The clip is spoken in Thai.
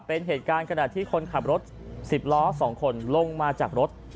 เป็นเหตุการณ์ที่คนขับรถสิบล้อสองคนลงมาจากรถ